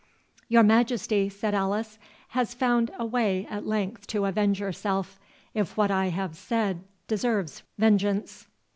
"Your Majesty," said Alice, "has found a way at length to avenge yourself—if what I have said deserves vengeance."